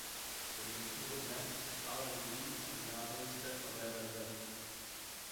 Do dnešního dne se stále vyvíjí a vydávají se nové verze.